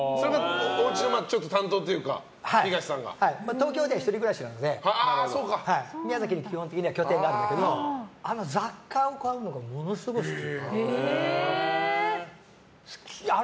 東京では１人暮らしなので宮崎に基本的には拠点があるんだけど雑貨を買うのがものすごい好き。